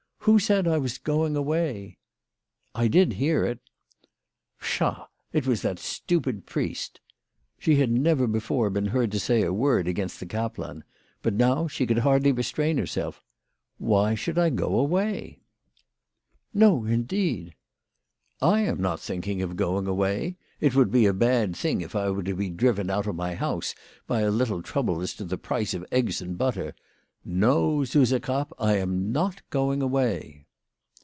" Who said that I was going away ?"" I did hear it." " Psha ! it was that stupid priest." She had never before been heard to sav a word against the kaplan ; but now she could baldly restrain herself. " Why should I go away ?" 90 WHY FRAU FROHMANN RAISED HER PRICES. " No, indeed !"" I am not thinking of going away. It would be a bad thing if I were to be driven out of my house by a little trouble as to the price of eggs and butter ! No, Suse Krapp, I am not going away."